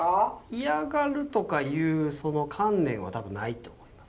嫌がるとかいうその観念は多分ないと思います。